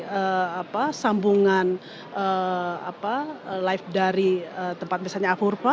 dari sambungan live dari tempat misalnya apurpa